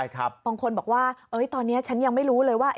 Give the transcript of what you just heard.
บางคนบอกว่าตอนนี้ฉันยังไม่รู้เลยว่า